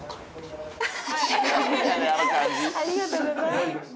ありがとうございます。